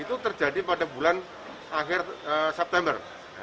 itu terjadi pada bulan akhir september